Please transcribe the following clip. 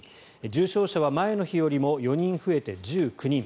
重症者は前の日よりも４人増えて１９人。